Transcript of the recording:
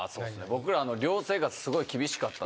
僕ら寮生活すごい厳しかったんですけど。